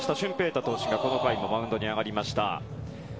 大投手がこの回もマウンドに上がりました。